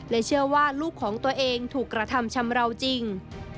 เชื่อว่าลูกของตัวเองถูกกระทำชำราวจริง